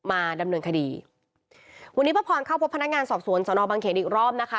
มาดำเนินคดีวันนี้พระพรเข้าพบพนักงานสอบสวนสอนอบังเขนอีกรอบนะคะ